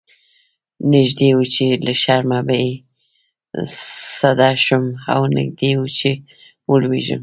نږدې و چې له شرمه بې سده شم او نږدې و چې ولويږم.